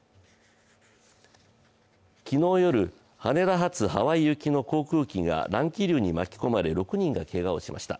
昨日夜、羽田発ハワイ行きの航空機が乱気流に巻き込まれ６人がけがをしました。